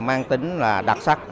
mang tính là đặc sắc